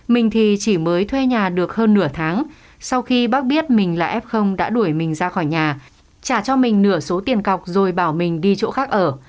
mình thì chỉ mới thuê nhà được hơn nửa tháng sau khi bác biết mình là f đã đuổi mình ra khỏi nhà trả cho mình nửa số tiền cọc rồi bảo mình đi chỗ khác ở